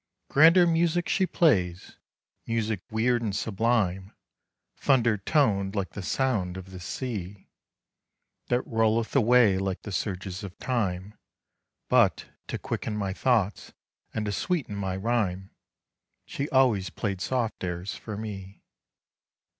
Grander music she plays music weird and sublime, Thunder toned, like the sound of the sea, That rolleth away like the surges of time; But, to quicken my thoughts and to sweeten my rhyme, She always played soft airs for me.